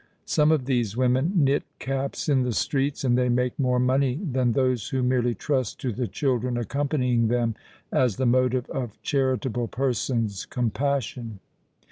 Some of these women knit caps in the streets; and they make more money than those who merely trust to the children accompanying them as the motive of charitable persons' compassion.